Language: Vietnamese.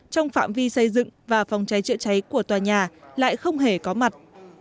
trong phạm vi xây dựng và phòng cháy chữa cháy của tòa nhà lại không hề có mặt